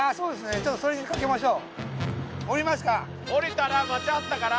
ちょっとそれにかけましょう。